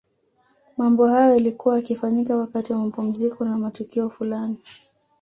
Mambo hayo yalikuwa yakifanyika wakati wa mapumziko na matukio fulani